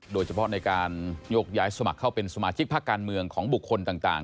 โดยเฉพาะในการโยกย้ายสมัครเข้าเป็นสมาชิกพักการเมืองของบุคคลต่าง